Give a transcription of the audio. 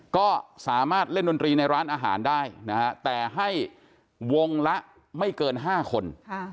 ก็สามารถเล่นดนตรีในร้านอาหารได้นะฮะแต่ให้วงละไม่เกิน๕คน